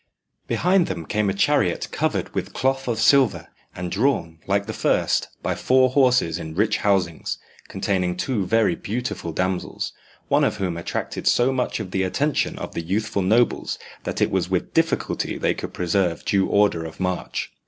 Behind them came a chariot covered with cloth of silver, and drawn, like the first, by four horses in rich housings, containing two very beautiful damsels, one of whom attracted so much of the attention of the youthful nobles, that it was with difficulty they could preserve due order of march.